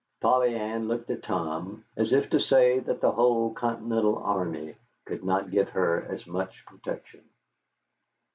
Polly Ann looked at Tom as if to say that the whole Continental Army could not give her as much protection.